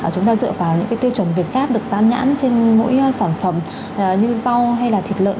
chúng ta dựa vào những cái tiêu chuẩn việc khác được rán nhãn trên mỗi sản phẩm như rau hay là thịt lợn